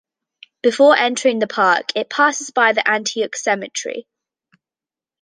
Before entering the park, it passes by the Antioch Cemetery.